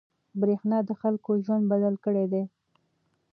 برېښنا د خلکو ژوند بدل کړی دی.